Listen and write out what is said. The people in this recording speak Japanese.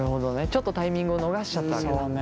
ちょっとタイミングを逃しちゃったわけだ。